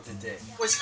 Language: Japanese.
おいしい！